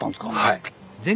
はい。